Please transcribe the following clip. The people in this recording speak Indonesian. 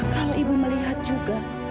kalau ibu melihat juga